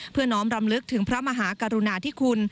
เพื่อน้อมรำลึกถึงพระมหากรุณาที่คุณ